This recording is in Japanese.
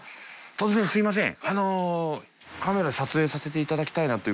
突然すいません。